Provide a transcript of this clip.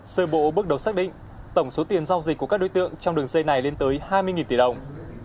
sơ bộ bước đầu xác định tổng số tiền giao dịch của các đối tượng trong đường dây này lên tới hai mươi tỷ đồng